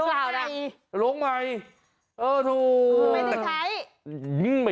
โรงใหม่โรงใหม่เออถูกไม่ได้ใช้